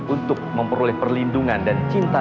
untuk memperoleh perlindungan dan cinta